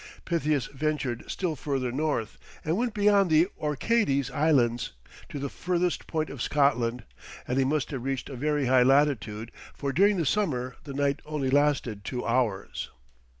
Pytheas ventured still further north, and went beyond the Orcades Islands to the furthest point of Scotland, and he must have reached a very high latitude, for during the summer the night only lasted two hours.